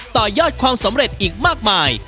ต่อยอดความสำเร็จอีกมากมาย